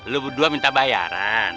lo berdua minta bayaran